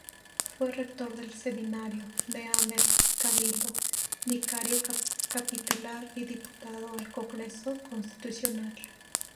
Fue rector del Seminario, deán del Cabildo, vicario capitular y diputado al Congreso Constitucional.